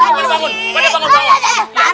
pada bangun bangun